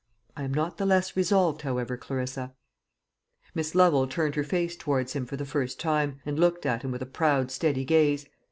I am not the less resolved, however, Clarissa." Miss Lovel turned her face towards him for the first time, and looked at him with a proud steady gaze.